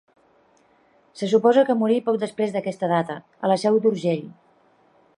Se suposa que morí poc després d'aquesta data, a la Seu d'Urgell.